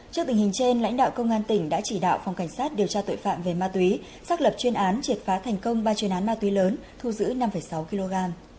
trước tình hình trên lãnh đạo công an tỉnh đã chỉ đạo phòng cảnh sát điều tra tội phạm về ma túy xác lập chuyên án triệt phá thành công ba chuyên án ma túy lớn thu giữ năm sáu kg